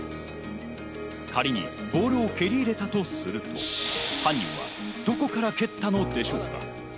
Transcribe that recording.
仮にボールを蹴り入れたとすると、犯人はどこから蹴ったのでしょうか？